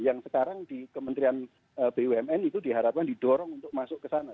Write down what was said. yang sekarang di kementerian bumn itu diharapkan didorong untuk masuk ke sana